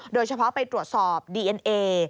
โดยเฉพาะไปตรวจสอบดีเอ็นเอ